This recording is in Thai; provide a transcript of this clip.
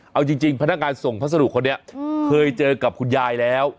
เอาจริงพนักงานส่งพัสดุคนนี้เคยเจอกับคุณยายแล้ว